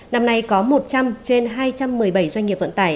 năm nay có một trăm linh trên hai trăm một mươi bảy doanh nghiệp vận tải